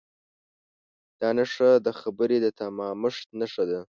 دا نښه د خبرې د تمامښت نښه ده.